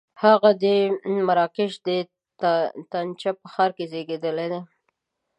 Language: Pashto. هغه د مراکش د طنجه په ښار کې زېږېدلی دی.